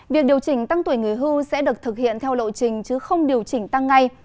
việc điều chỉnh tăng tuổi người hưu sẽ được thực hiện theo lộ trình chứ không điều chỉnh tăng ngay